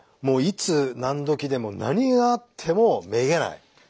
もういつ何時でも何があってもめげない。